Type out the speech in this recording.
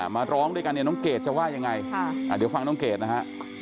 มาร้องด้วยกันเนี่ยน้องเกดจะว่ายังไงเดี๋ยวฟังน้องเกดนะฮะ